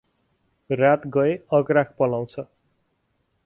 रात गए अग्राख पलाउँछ